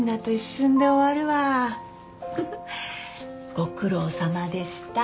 フフッご苦労さまでした。